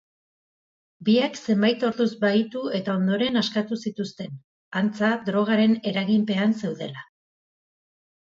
Biak zenbait orduz bahitu eta ondoren askatu zituzten, antza drogaren eraginpean zeudela.